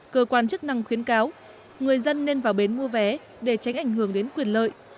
cơ quan chức năng khuyến cáo người dân nên vào bến mua vé để tránh ảnh hưởng đến quyền lợi